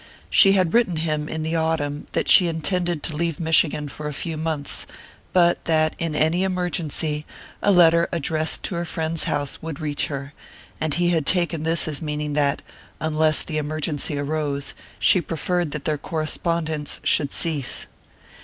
She had written him, in the autumn, that she intended to leave Michigan for a few months, but that, in any emergency, a letter addressed to her friend's house would reach her; and he had taken this as meaning that, unless the emergency arose, she preferred that their correspondence should cease.